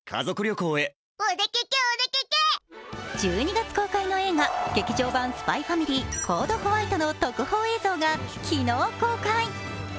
１２月公開の映画、「劇場版ＳＰＹ×ＦＡＭＩＬＹＣＯＤＥ：Ｗｈｉｔｅ」の特報映像が昨日公開。